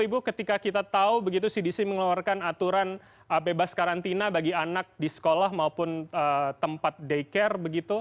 ibu ketika kita tahu begitu cdc mengeluarkan aturan bebas karantina bagi anak di sekolah maupun tempat daycare begitu